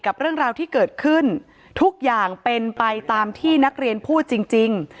เรื่องราวที่เกิดขึ้นทุกอย่างเป็นไปตามที่นักเรียนพูดจริง